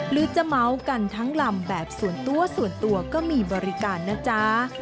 หรือจะเมาส์กันทั้งลำแบบส่วนตัวส่วนตัวก็มีบริการนะจ๊ะ